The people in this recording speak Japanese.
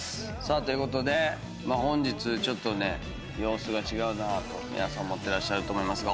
ということで本日ちょっとね様子が違うなと皆さん思ってらっしゃると思いますが。